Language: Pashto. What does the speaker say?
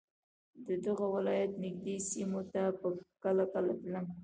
د دغه ولایت نږدې سیمو ته به کله کله تلم.